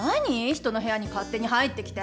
人の部屋に勝手に入ってきて。